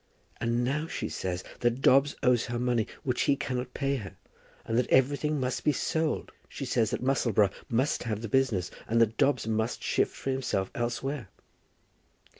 "And now she says that Dobbs owes her money which he cannot pay her, and that everything must be sold. She says that Musselboro must have the business, and that Dobbs must shift for himself elsewhere."